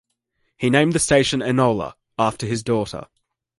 He named the station "Enola", after his daughter.